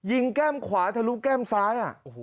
ยิงแก้มขวาถ้านุ่มแก้มซ้าย